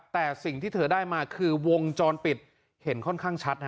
แต่สิ่งที่เธอได้มาคือวงจรปิดเห็นค่อนข้างชัด